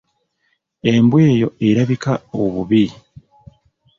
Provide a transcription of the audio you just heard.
Embwa eyo erabika obubbi.